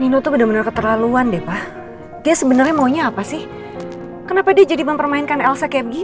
nino tuh bener bener keterlaluan deh pak dia sebenarnya maunya apa sih kenapa dia jadi mempermainkan elsa kemi